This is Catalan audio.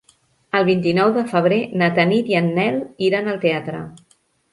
El vint-i-nou de febrer na Tanit i en Nel iran al teatre.